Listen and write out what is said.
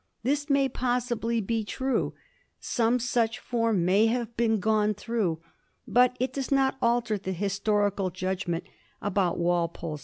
This may possibly be true; some such form may have been gone through. Bat it does not alter the historical judgment abont Walpole's 1740.